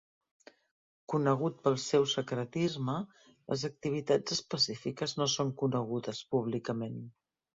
Conegut pel seu secretisme, les activitats específiques no són conegudes públicament.